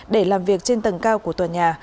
để làm việc trên tầng cao của tòa nhà